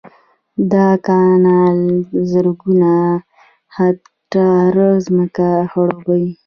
دا کانال زرګونه هکټاره ځمکه خړوبوي